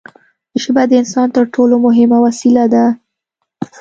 ژبه د انسان تر ټولو مهمه وسیله ده.